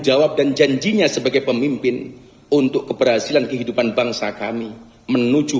jawab dan janjinya sebagai pemimpin untuk keberhasilan kehidupan bangsa kami menuju